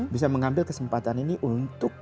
bisa mengambil kesempatan ini untuk